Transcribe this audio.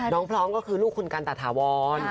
พร้อมก็คือลูกคุณกันตะถาวร